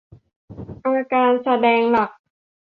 อาการแสดงหลัก